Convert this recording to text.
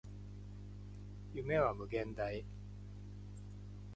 夢は無限大